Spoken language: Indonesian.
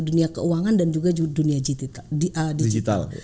dunia keuangan dan juga dunia digital